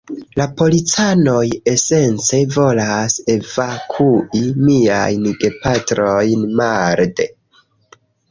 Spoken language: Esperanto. La policanoj esence volas evakui miajn gepatrojn marde.